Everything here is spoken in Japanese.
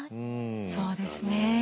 そうですね。